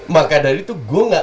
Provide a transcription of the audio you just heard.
maka dari itu gue gak